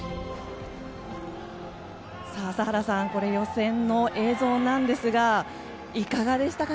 朝原さん、予選の映像ですがいかがでしたか？